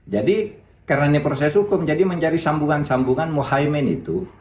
jadi karena ini proses hukum jadi mencari sambungan sambungan muhammad itu